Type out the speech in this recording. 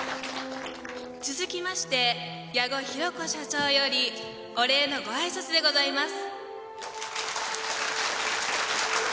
続きまして矢後弘子社長よりお礼のご挨拶でございます。